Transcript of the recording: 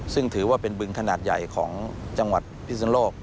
ซึ่งถือว่าเป็นบึงขนาดใหญ่ของจังหวัดพิศนโลก